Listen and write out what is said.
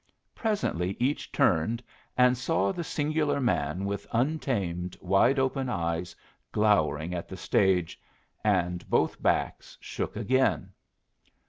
Presently each turned, and saw the singular man with untamed, wide open eyes glowering at the stage, and both backs shook again.